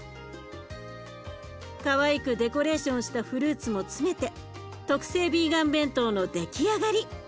かわいくデコレーションしたフルーツも詰めて特製ビーガン弁当の出来上がり。